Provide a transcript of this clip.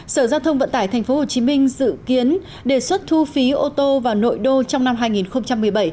sở giao thông vận tải thành phố hồ chí minh dự kiến đề xuất thu phí ô tô vào nội đô trong năm hai nghìn một mươi bảy